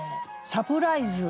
「『サプライズ！』